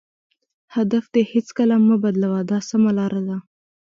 هدف دې هېڅکله مه بدلوه دا سمه لار ده.